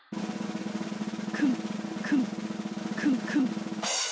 クンクンクンクン。